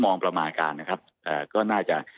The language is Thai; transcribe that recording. ประมาณการนะครับก็น่าจะ